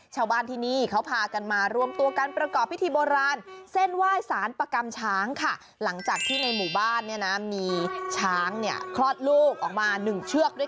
ช้างน้อยช้างน้อยน่ารักมากเลย